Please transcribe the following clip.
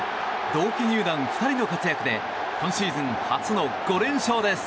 同期入団２人の活躍で今シーズン初の５連勝です。